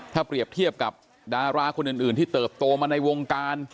ถ้าเปรียบเทียบกับดาราคนอื่นที่เติบโตมาในวงการ